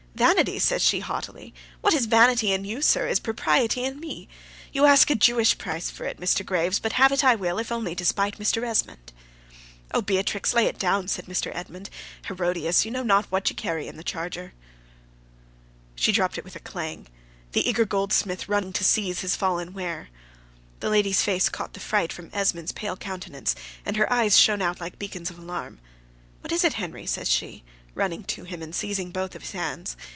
"Vanity!" says she, haughtily. "What is vanity in you, sir, is propriety in me. You ask a Jewish price for it, Mr. Graves; but have it I will, if only to spite Mr. Esmond." "Oh, Beatrix, lay it down!" says Mr. Esmond. "Herodias! you know not what you carry in the charger." She dropped it with a clang; the eager goldsmith running to seize his fallen ware. The lady's face caught the fright from Esmond's pale countenance, and her eyes shone out like beacons of alarm: "What is it, Henry!" says she, running to him, and seizing both his hands.